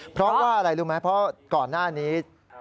เพราะว่าอะไรรู้ไหมเพราะก่อนหน้านี้